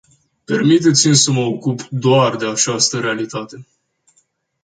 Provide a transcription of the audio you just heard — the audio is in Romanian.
Permiteți-mi să mă ocup doar de această realitate.